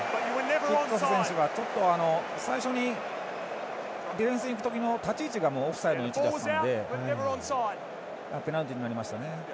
キッツォフ選手が最初にディフェンスに行く時の立ち位置がオフサイドでしたのでペナルティーになりましたね。